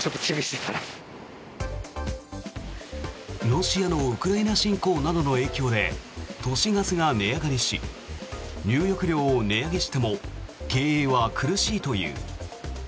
ロシアのウクライナ侵攻などの影響で都市ガスが値上がりし入浴料を値上げしても経営は苦しいという。